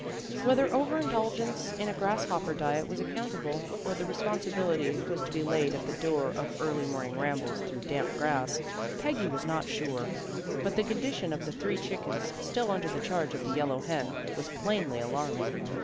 Whether over indulgence in a grasshopper diet was accountable, or the responsibility was to be laid at the door of early morning rambles through damp grass, Peggy was not sure, but the condition of the three chickens still under the charge of the yellow hen was plainly alarming.